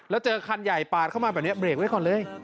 แล้วเจอคันใหญ่ปาดเข้ามาแบบนี้เบรกไว้ก่อนเลย